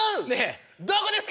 どこですか？